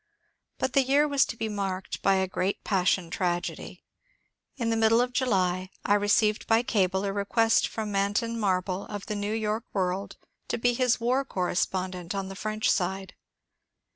But the year was to be marked by a great Pas sion Tragedy. In the middle of July I received by cable a request from Manton Marble of the ^* New York World " to be his war correspondent on the French side.